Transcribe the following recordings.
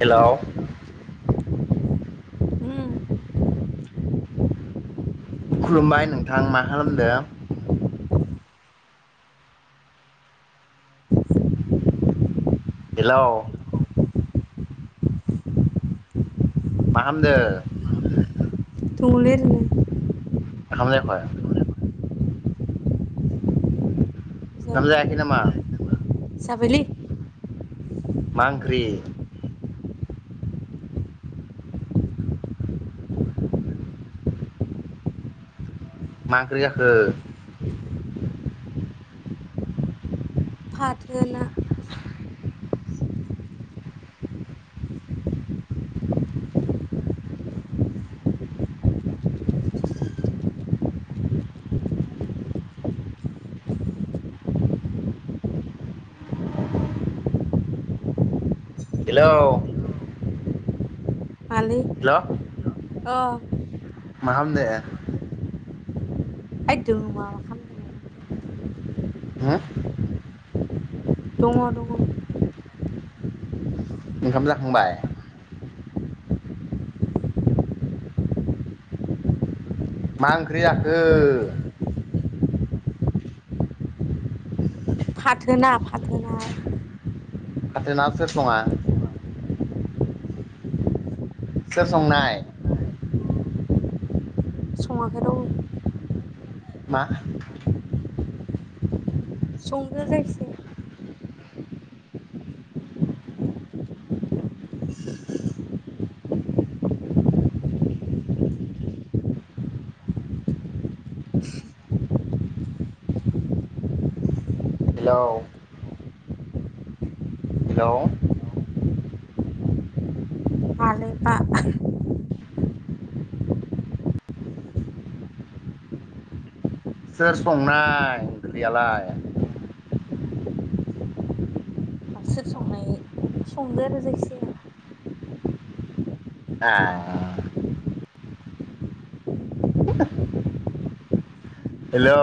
Hello उम खुलुमबाय नोंथां मा खालामदों? हेलौ मा खालामदों? दंलै ओरैनो। ओंखाम जायाखै? ओंखाम जाबाय जायाखै नामा? जाबायलै। मा ओंख्रि? मा ओंख्रि जाखो? फाथो ना हेल' मालै हेल' अ मा खालामदो? [unintelligible] होम? दङ दङ ओंखाम जाखांबाय? मा ओंख्रि जाखो? फाथो ना फाथो ना। फाथो ना सोर सङा? सोर संनाय? सङाखै रावबो। मा? संदो जायखि जाया। हेलौ हेल' मालायबा सोर संनाय ओंख्रियालाय? सोर संनाय संदो आरो जायखि जाया। ए [inaudible] हेलौ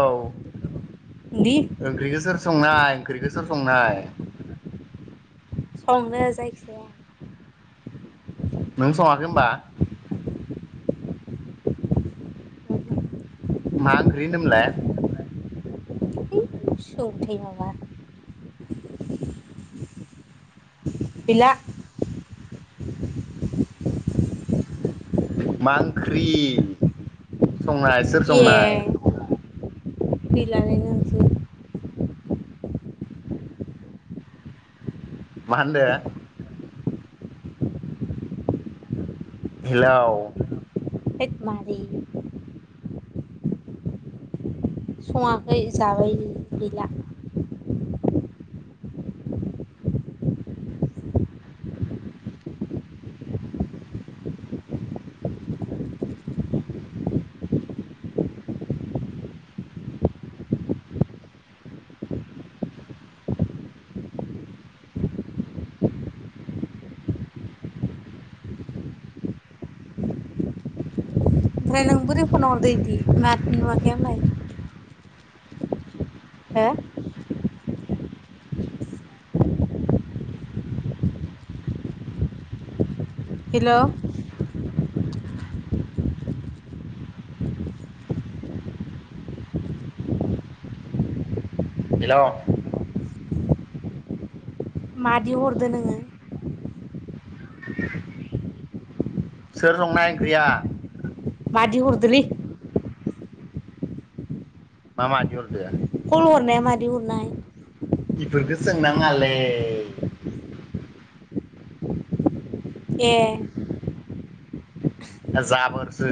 दि ओंख्रिखौ सोर संनाय ओंख्रि सोर संनाय? संदों जायखि जाया। नों सङाखै होमबा? मा ओंख्रि होनदोंमोनलाय? सोंबाय थायो माबा गैला। मा ओंख्रि? संनाय सोर संनाय? गैलालै नोंजों मा होनदों? हेलौ थोद मादि सङाखै जाबाय गैला ओमफ्राय नों बोरै फन हरदो इदि माथो नुवाखै आंलाय? हो? हेल' हेल' मादि हरदो नोङो? सोर संनाय ओंख्रिया? मादि हरदोलै? मा मादि हरदो खल हरनाया मादि हरनाय? इफोरखो सोंनाङालै ए जाबोरसो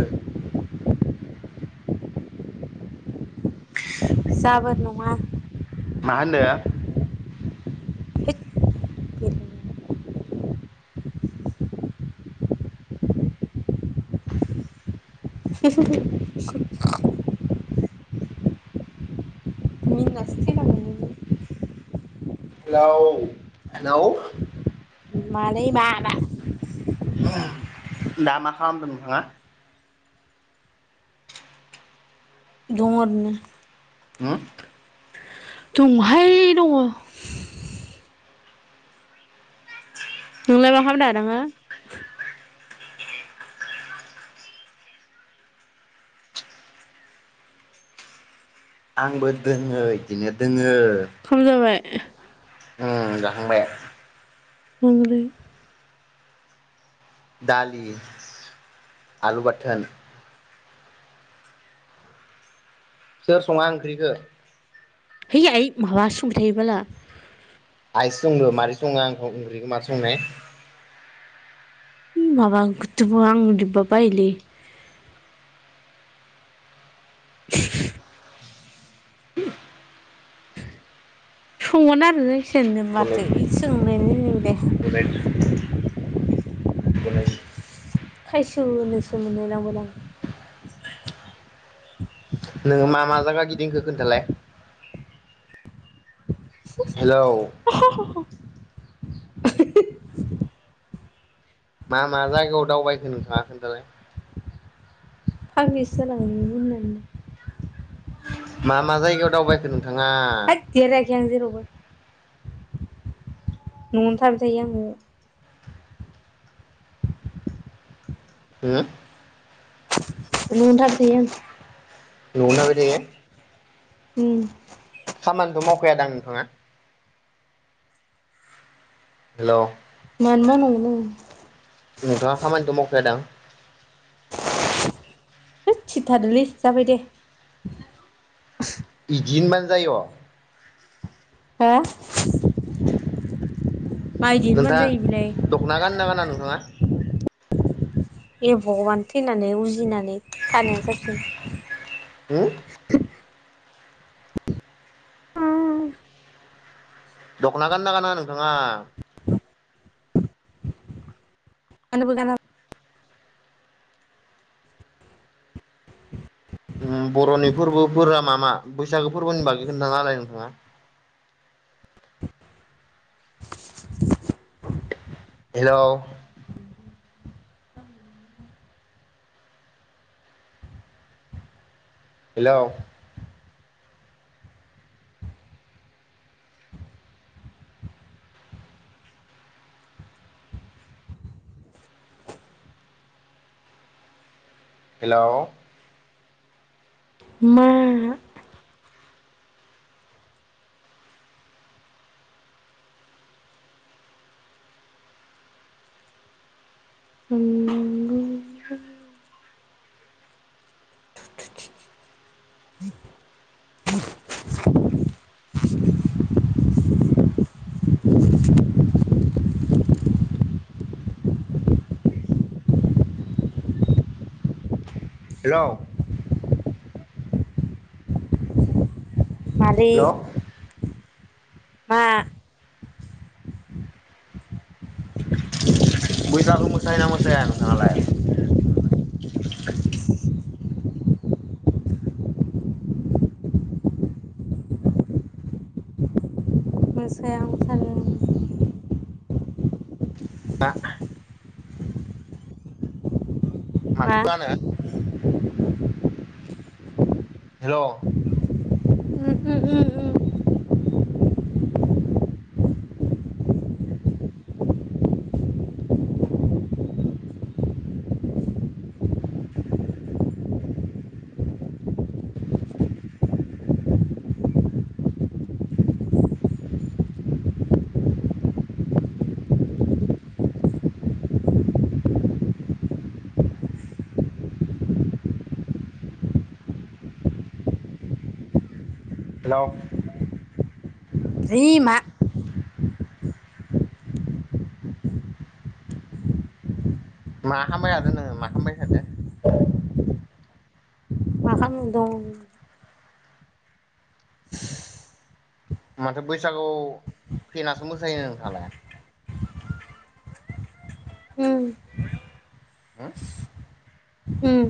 जाबोर नङा मा होनदो? हैद बेल' [unintelligible] मिनिनासो थैनांगोन नोङो हेल' मालै मा मा दा मा खालामदों नोंथाङा दङ ओरैनो होम दङ' हाय दङ। नोंलाय मा खामदो नोङो। आंबो दोङो इदिनो दोङो। खाम जाबाय। ओ जाखांबाय ओंलै दालि आलु बाथोन सोर सङा ओंख्रिखो हैै आइ माबा सोंबाय थायो बाला आइसो संद मारै सङो आंखौ ओंख्रिखौ माथो संनाय ओय माबा ओंखोथो बुङो आं इदिबा बायोलै [unintelligible] सङो होनना सोंदो माथो इदि सोंलायलायनि दे खदाय खायसोनोसो मोनलाय लाङो लां नोङो मा मा जायगा गिदिंखो खोन्थालाय हेलौ [unintelligible] मा मा जायगायाव दावबायखो नोंथाङा खोन्थालाय फाग्लिसो जालांगोन बे मिनिनानै मा मा जायगायाव दावबायखो नों ङा रायाखै आं जेरावबो न'आवनो थाबाय थायो आं न'आव हो न'आवनो थाबाय थायो आं न'आवनो थाबाय थायो। उम खामानिथ' मावखायादां नोंथाङा? हेलौ मानो मावनांगौ नो नोंथाङा खामानिथ' मावखाया दां? होद स्रि थादोलै जाबाय दे। बिदि होनबानो जाय'। हा नोंथाङा दख'ना गानो ना गाना नोंथाङा? ए भगबान थैनानै उजिनानै थानाया साबसिन हो [inaudible] दख'ना गानना गाना नोंथाङा? गानोबो गानाबो उ बर'नि फोरबोफोरा मा मा? बैसागो फोरबोनि बागै खोना नालाय नोंथाङा हेलौ हेलौ हेलौ मा? [unintelligible] हेलौ मालै? हेलौ मा? बैसागो मोसायो ना मोसाया नोंथाङालाय? मोसाहां साहां [unintelligible] माखौ मा गानो? हेलौ उम उम उम उम हेलौ है मा? मा खालामबायथादो नोङो मा खालामबायथादो? आं दं माथो बैसागु फेनासो मोसायो नोंथाङालाय? उम हो उम